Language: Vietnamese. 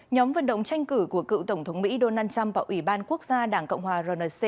nhóm vận động tranh cử của cựu tổng thống mỹ donald trump và ủy ban quốc gia đảng cộng hòa rnc